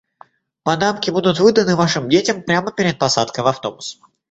Панамки будут выданы вашим детям прямо перед посадкой в автобус.